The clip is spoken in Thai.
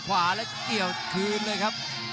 ขวาแล้วเกี่ยวคืนเลยครับ